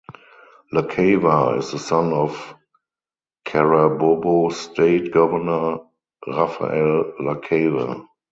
Lacava is the son of Carabobo state governor Rafael Lacava.